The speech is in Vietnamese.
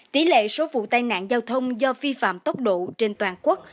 tỷ lệ số vụ tai nạn giao thông do vi phạm tốc độ trên toàn quốc